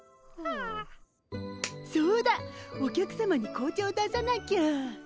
そうだお客さまに紅茶を出さなきゃ。